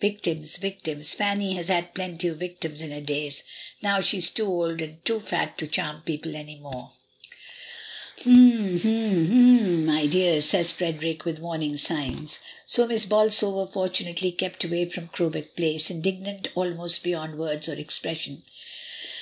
"Victims, victims; Fanny has had plenty of victims in her days, now she is too old and too fat to charm people any more." AFTERWARDS. 45 "H'm, h'm! A h'm, my dear!" says Frederick with warning signs. So Miss Bolsover fortunately kept away from Crowbeck Place, indignant almost beyond words or expression.